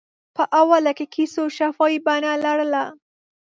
په اوله کې کیسو شفاهي بڼه لرله.